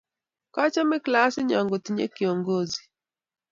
Kachome klasit nyon kotinye kiyoyozi